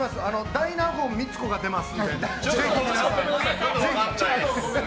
大納言光子が出ます。